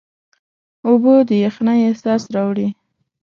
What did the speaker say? اوبه د یخنۍ احساس راوړي.